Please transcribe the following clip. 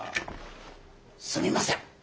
すみません！